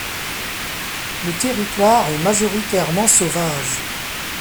Le territoire est majoritairement sauvage.